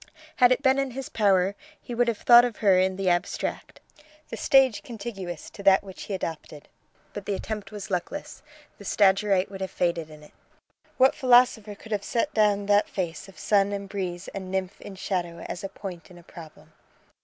Had it been in his power he would have thought of her in the abstract the stage contiguous to that which he adopted: but the attempt was luckless; the Stagyrite would have faded in it. What philosopher could have set down that face of sun and breeze and nymph in shadow as a point in a problem?